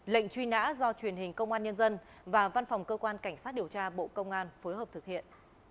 lệnh truy nã do truyền hình công an nhân dân và văn phòng cơ quan cảnh sát điều tra bộ công an phối hợp thực hiện